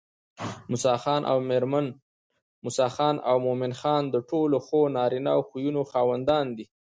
موسى خان او مومن خان د ټولو ښو نارينه خويونو خاوندان دي